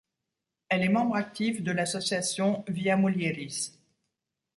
Elle est membre active de l'association Via Mulieris.